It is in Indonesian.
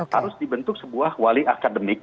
harus dibentuk sebuah wali akademik